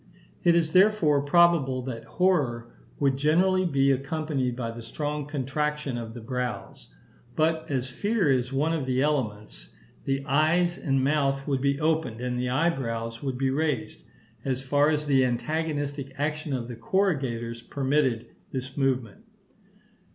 It is, therefore, probable that horror would generally be accompanied by the strong contraction of the brows; but as fear is one of the elements, the eyes and mouth would be opened, and the eyebrows would be raised, as far as the antagonistic action of the corrugators permitted this movement.